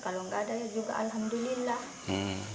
kalau tidak ada juga alhamdulillah